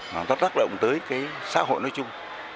nó có tác động tới cái xã hội nói chung